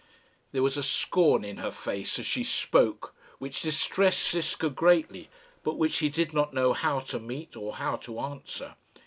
There was a scorn in her face as she spoke which distressed Ziska greatly, but which he did not know how to meet or how to answer.